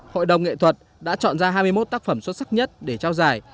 hội đồng nghệ thuật đã chọn ra hai mươi một tác phẩm xuất sắc nhất để trao giải